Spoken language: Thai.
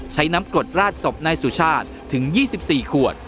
ใช้น้ำกรดราดศพนายสุชาติถึง๒๔ขวด